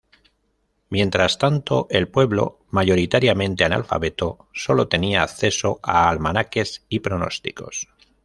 Mientras tanto, el pueblo, mayoritariamente analfabeto, solo tenía acceso a almanaques y pronósticos.